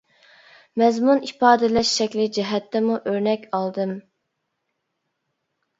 مەزمۇن ئىپادىلەش شەكلى جەھەتتىمۇ ئۆرنەك ئالدىم.